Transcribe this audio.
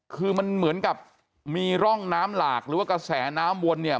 คือมันเหมือนกับมีร่องน้ำหลากหรือว่ากระแสน้ำวนเนี่ย